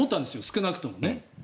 少なくともね。